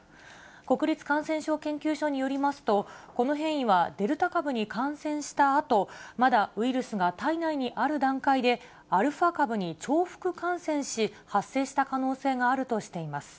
国立感染症研究所によりますと、この変異はデルタ株に感染したあと、まだウイルスが体内にある段階で、アルファ株に重複感染し、発生した可能性があるとしています。